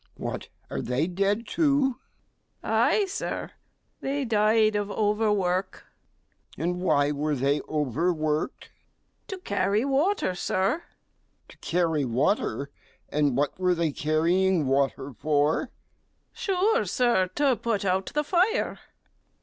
G. What! are they dead too? STEWARD. Ay, Sir; they died of over work. MR. G. And why were they over worked? STEWARD. To carry water, Sir. MR. G. To carry water, and what were they carrying water for? STEWARD. Sure, Sir, to put out the fire.